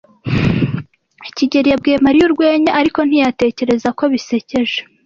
kigeli yabwiye Mariya urwenya, ariko ntiyatekereza ko bisekeje.